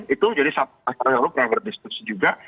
itu jadi sampai sekarang yang lalu kita berdiskusi juga